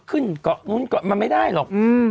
ขึ้นกรอกนู้นมาไม่ได้หรอกอืม